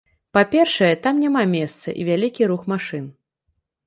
Па-першае, там няма месца і вялікі рух машын.